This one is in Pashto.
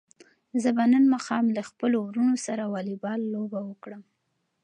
زه به نن ماښام له خپلو وروڼو سره واليبال لوبه وکړم.